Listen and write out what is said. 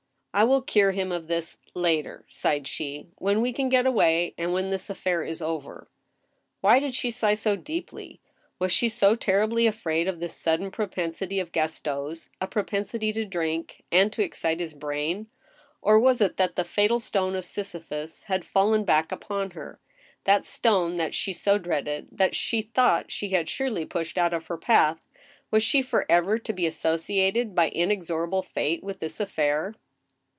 " I will cure him of this ... later," sighed she, " when we can get away, and when this affair is over." Why did she sigh so deeply ? Was she so terribly afraid of this sudden propensity of Gaston's — a propensity to drink, and to excite his brain ? Or was it that the fatal stone of Sisyphus had fallen back upon her — that stone that she so dreaded, that she thought she had surely pushed out of her path ; was she forever to be associated by inexo rable Fate with this affair